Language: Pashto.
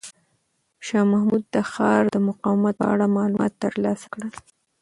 شاه محمود د ښار د مقاومت په اړه معلومات ترلاسه کړل.